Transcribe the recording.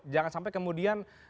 jangan sampai kemudian